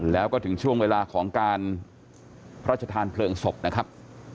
แล้วก็ถึงช่วงเวลาของการพระชธานเพลิงศพนะครับ